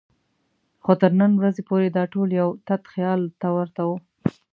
خو تر نن ورځې پورې دا ټول یو تت خیال ته ورته وو.